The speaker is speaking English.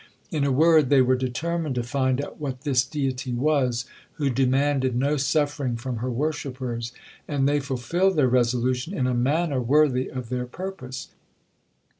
In a word, they were determined to find out what this deity was, who demanded no suffering from her worshippers,—and they fulfilled their resolution in a manner worthy of their purpose.